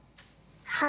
はい。